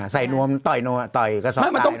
ใส่นวมต่อยกระซอบตาย